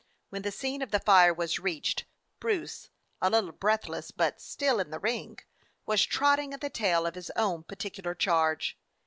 When the scene of the fire was reached, Bruce, a little breathless but "still in the ring," was trotting at the tail of his own particular charge.